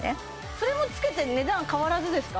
それも付けて値段変わらずですか？